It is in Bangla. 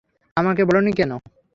আমাকে বলোনি কেন?